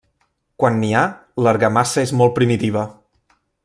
Quan n'hi ha, l'argamassa és molt primitiva.